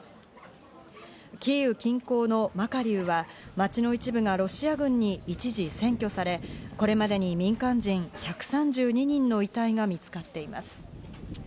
キーウ近郊のマカリウは街の一部がロシア軍に一時占拠され、これまでに民間人１３２人の遺体が見つかっています。